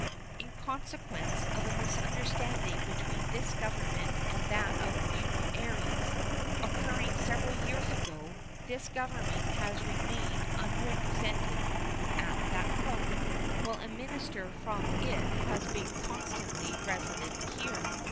In consequence of a misunderstanding between this Government and that of Buenos Ayres, occurring several years ago, this Government has remained unrepresented at that Court, while a minister from it has been constantly resident here.